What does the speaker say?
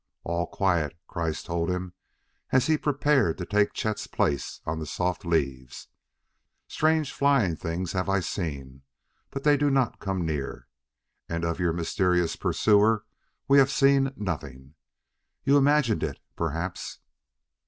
"All quiet," Kreiss told him as he prepared to take Chet's place on the soft leaves; "strange, flying things have I seen, but they do not come near. And of your mysterious pursuer we have seen nothing. You imagined it, perhaps."